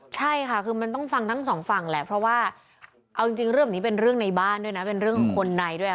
ใช่ค่ะคือมันต้องฟังทั้งสองฝั่งแหละเพราะว่าเอาจริงเรื่องแบบนี้เป็นเรื่องในบ้านด้วยนะเป็นเรื่องของคนในด้วย